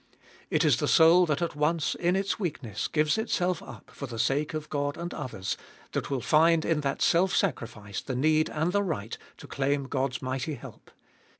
It is the soul that at once, in its weakness, gives itself up for the sake of God and others, that will find in that self sacrifice the need and the right to claim God's mighty help.